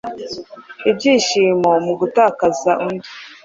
ibyishimo mu gutakaza undi,